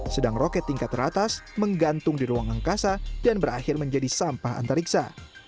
sedang roket tingkat teratas menggantung di ruang angkasa dan berakhir menjadi sampah antariksa